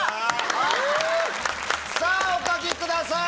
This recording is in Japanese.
さぁお書きください！